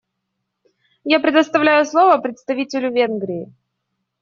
Я предоставляю слово представителю Венгрии.